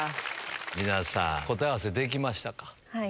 皆さん、答え合わせできましはい。